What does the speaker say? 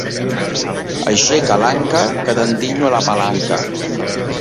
Aixeca l'anca que t'endinyo la palanca!